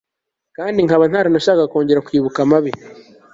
kandi nkaba ntaranashakaga kongera kwibuka amabi